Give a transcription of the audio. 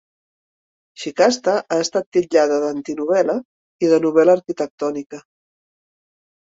"Shikasta" ha estat titllada d'"antinovel·la" i de "novel·la arquitectònica".